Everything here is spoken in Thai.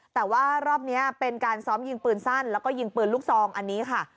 แต่ว่ารอบนี้เป็นการซ้อมยิงปืนสั้นแล้วก็ยิงปืนลูกซองอันนี้ค่ะ